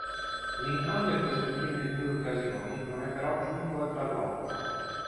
In entrambe queste prime due occasioni non è però giunto al traguardo.